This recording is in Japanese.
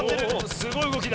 すごいうごきだ。